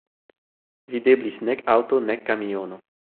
Videblis nek aŭto, nek kamiono.